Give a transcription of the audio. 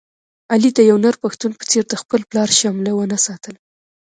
علي د یو نر پښتون په څېر د خپل پلار شمله و نه ساتله.